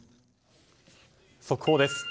速報です。